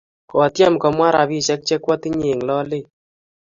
Kotyem komwa rapisyek che kwotinye eng' lolet.